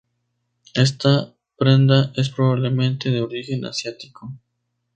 Esta prenda es probablemente de origen asiático.